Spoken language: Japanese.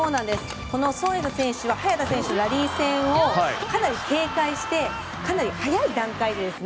ソン・エイサ選手は早田選手とのラリー戦をかなり警戒してかなり早い段階ですね